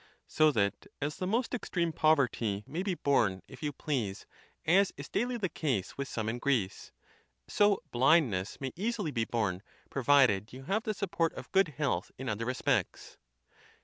So that, as the most extreme poverty may be borne if you please, as is daily the case with some in Greece, so blindness may easily be borne, provided you have the support of good health in other respects.